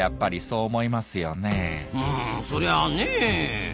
うんそりゃねえ。